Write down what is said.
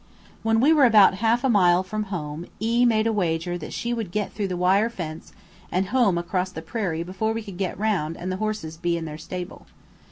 When we were about half a mile from home E made a wager that she would get through the wire fence and home across the prairie before we could get round and the horses be in their stable.